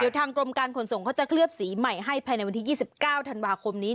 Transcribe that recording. เดี๋ยวทางกรมการขนส่งเขาจะเคลือบสีใหม่ให้ภายในวันที่ยี่สิบเก้าธนวาคมนี้